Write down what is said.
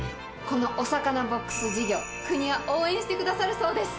このお魚ボックス事業国は応援してくださるそうです！